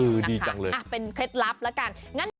ก็ทำให้ที่แห่งนี้กลายเป็นเกษตรทำเงินไปเลยครับ